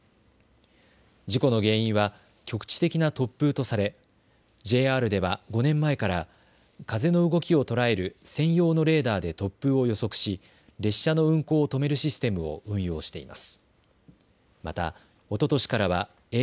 事故の原因は局地的な突風とされＪＲでは５年前から風の動きを捉える専用のレーダーで突風を予測し、列車の運行を止めるシステムを運用しています。